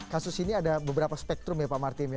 kasus ini ada beberapa spektrum ya pak martin ya